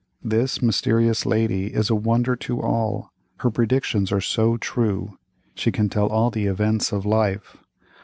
—This mysterious Lady is a wonder to all—her predictions are so true. She can tell all the events of life.